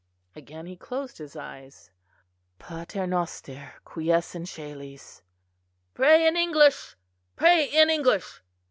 Again he closed his eyes. "Pater noster qui es in cælis."... "Pray in English, pray in English!"